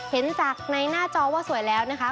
เห็นจากในหน้าจอว่าสวยแล้วนะคะ